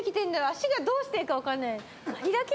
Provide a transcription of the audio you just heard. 足がどうしていいか分かんない。